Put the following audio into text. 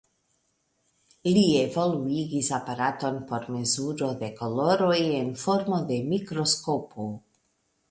Li evoluigis aparaton por mezuro de koloroj en formo de mikroskopo.